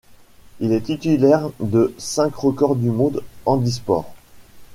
Il est titulaire de cinq records du monde handisport.